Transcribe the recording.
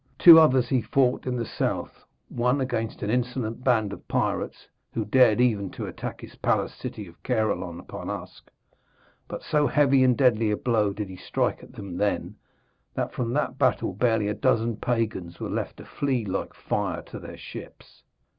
Two others he fought in the south, one against an insolent band of pirates who dared even to attack his palace city of Caerleon upon Usk. But so heavy and deadly a blow did he strike at them then, that from that battle barely a dozen pagans were left to flee like fire to their ships.